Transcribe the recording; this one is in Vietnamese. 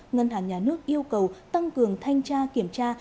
ngân hàng nhà nước yêu cầu tăng cường thanh tra kiểm tra